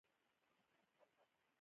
چین په خپلو داخلي چارو کې بوخت و.